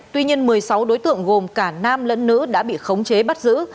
tuy nhiên một mươi sáu đối tượng gồm cả nam lẫn nữ đã bị khống chế bắt giữ